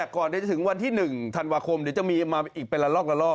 ก่อนที่จะถึงวันที่๑ธันวาคมเดี๋ยวจะมีมาอีกเป็นละลอกละลอก